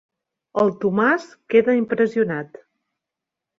El Tomàs queda impressionat.